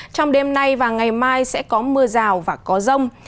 trong đêm nay và ngày mai sẽ có mưa rào và có rông